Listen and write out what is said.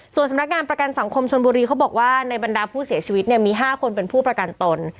ส่วนสำนักงานประกันสังคมชนบุรีเขาบอกว่าในบรรดาผู้เสียชีวิตเนี่ยมี๕คนเป็นผู้ประกันตน